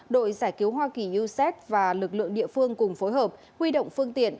đội giải cứu hoa kỳ uced và lực lượng địa phương cùng phối hợp huy động phương tiện